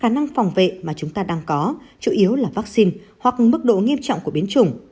khả năng phòng vệ mà chúng ta đang có chủ yếu là vaccine hoặc mức độ nghiêm trọng của biến chủng